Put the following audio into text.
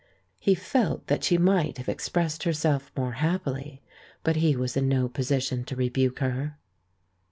He felt that she might have expressed herself more happily, but hew as in no position to rebuke her.